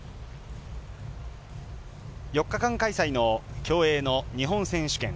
４日間開催の競泳の日本選手権。